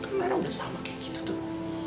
kan lara udah sama kayak gitu tuh